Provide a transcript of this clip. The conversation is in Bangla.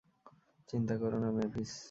চিন্তা করো না, মেভিস।